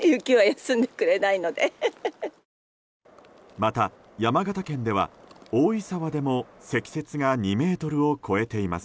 また、山形県では大井沢でも積雪が２ｍを超えています。